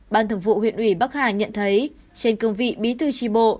ban thường vụ huyện ủy bắc hà nhận thấy trên cương vị bí thư tri bộ